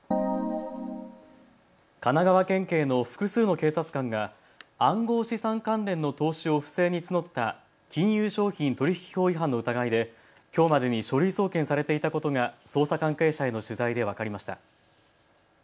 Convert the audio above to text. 神奈川県警の複数の警察官が暗号資産関連の投資を不正に募った金融商品取引法違反の疑いできょうまでに書類送検されていたことが捜査関係者への取材で分かりました。